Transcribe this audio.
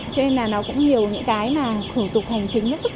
cho nên là nó cũng nhiều những cái mà thủ tục hành chính nó phức tạp